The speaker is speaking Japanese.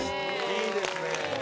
いいですね。